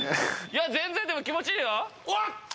全然でも気持ちいいよ。